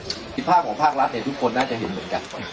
สิทธิภาพของภาครัฐเนี่ยทุกคนน่าจะเห็นเหมือนกัน